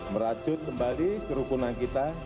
merajut kembali kerukunan kita